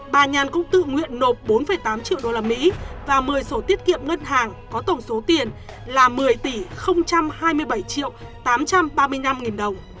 bà nhàn cũng tự nguyện nộp bốn tám triệu usd và một mươi sổ tiết kiệm ngân hàng có tổng số tiền là một mươi tỷ hai mươi bảy triệu tám trăm ba mươi năm nghìn đồng